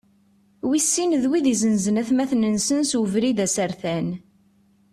Wis sin, d wid izenzen atmaten-nsen s ubrid asertan.